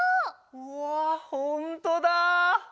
うわほんとだ！